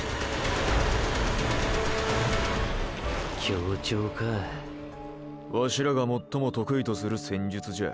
協調かワシらが最も得意とする戦術じゃ。